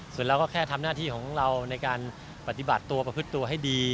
ส่วนเราก็แค่ทำหน้าที่ของเราในการปฏิบัติตัวประพฤติตัวให้ดี